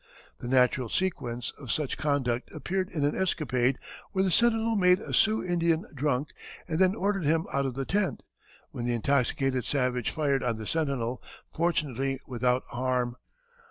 The natural sequence of such conduct appeared in an escapade where the sentinel made a Sioux Indian drunk and then ordered him out of the tent, when the intoxicated savage fired on the sentinel, fortunately without harm.